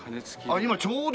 あっ今ちょうど。